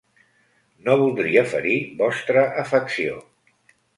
No voldria ferir vostra afecció